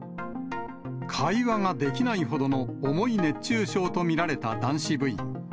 会話ができないほどの重い熱中症と見られた男子部員。